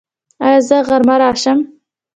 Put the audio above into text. ایا زه غرمه راشم؟